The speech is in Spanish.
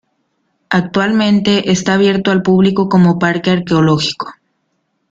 Actualmente está abierto al público como Parque Arqueológico.